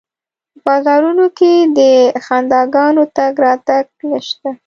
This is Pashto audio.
په بازارونو کې د خنداګانو تګ راتګ نشته